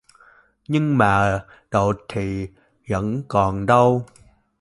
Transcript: Nhưng mà đầu thì vẫn còn đau